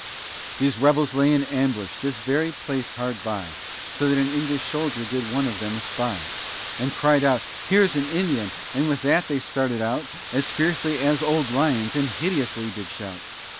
These rebels lay in ambush, this very place hard by, So that an English soldier did one of them espy, And cried out, "Here's an Indian," with that they started out, As fiercely as old lions, and hideously did shout.